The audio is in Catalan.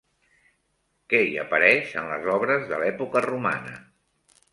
Què hi apareix en les obres de l'època romana?